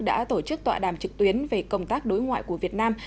đã tổ chức tọa đàm trực tuyến về công tác đối ngoại của việt nam